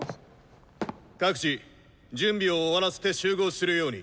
各自準備を終わらせて集合するように。